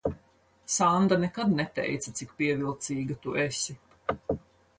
Sanda nekad neteica, cik pievilcīga tu esi.